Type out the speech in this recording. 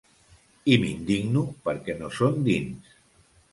I m’indigno perquè no són dins.